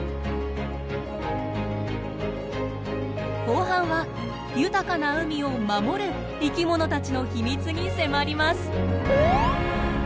後半は豊かな海を守る生き物たちの秘密に迫ります。